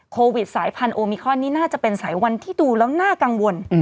โควิดสายพันธุมิคอนนี่น่าจะเป็นสายวันที่ดูแล้วน่ากังวล